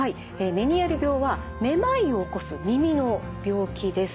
メニエール病はめまいを起こす耳の病気です。